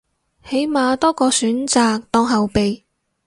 起碼多個選擇當後備